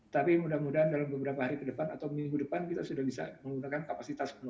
tapi mudah mudahan dalam beberapa hari ke depan atau minggu depan kita sudah bisa menggunakan kapasitas penuh